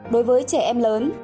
đối với trẻ em lớn